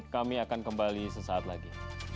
kami akan kembali sesaat lagi